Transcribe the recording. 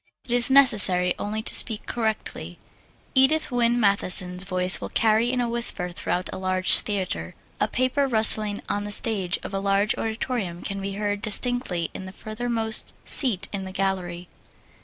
It is necessary only to speak correctly. Edith Wynne Matthison's voice will carry in a whisper throughout a large theater. A paper rustling on the stage of a large auditorium can be heard distinctly in the furthermost seat in the gallery.